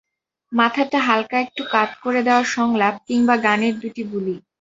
মাথাটা হালকা একটু কাত করে দেওয়া সংলাপ কিংবা গানের দুটি বুলি।